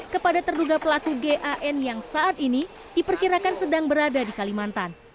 kepada terduga pelaku gan yang saat ini diperkirakan sedang berada di kalimantan